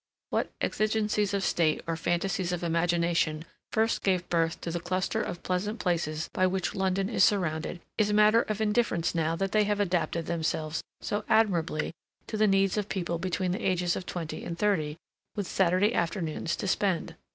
What exigencies of state or fantasies of imagination first gave birth to the cluster of pleasant places by which London is surrounded is matter of indifference now that they have adapted themselves so admirably to the needs of people between the ages of twenty and thirty with Saturday afternoons to spend.